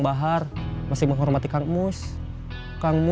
kita masih seperti dulu masih keluarga